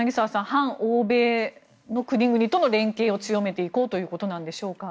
反欧米の国々との連携を強めていこうということなんでしょうか。